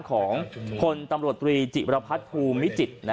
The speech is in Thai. ของพลตำรวจตรีจิรพัฒน์ภูมิจิตร